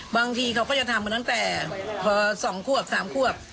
บางทีเขาก็จะทำมาตั้งแต่พอ๒ควบ๓ควบ